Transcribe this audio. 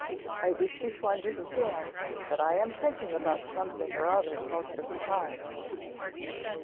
I wish you to understand that I am thinking about something or other most of the time."